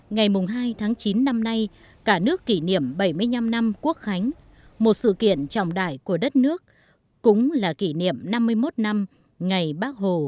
ngày hai tháng chín năm nay cả nước kỷ niệm bảy mươi năm năm quốc khánh một sự kiện trọng đại của đất nước cũng là kỷ niệm năm mươi một năm ngày bác hồ